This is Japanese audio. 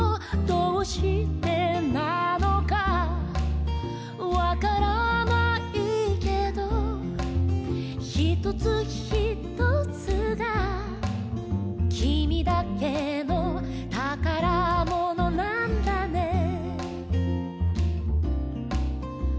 「どうしてなのかわからないけど」「ひとつひとつがきみだけのたからものなんだね」わい！